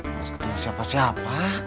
harus ketemu siapa siapa